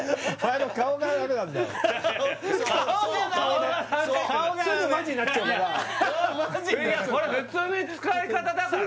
ここからこれ普通に使い方だからね